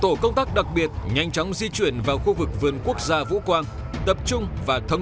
tổ công tác đặc biệt nhanh chóng di chuyển vào khu vực vườn quốc gia vũ quang tập trung và thống